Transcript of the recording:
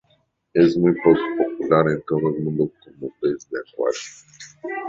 Es muy popular en todo el mundo como pez de acuario.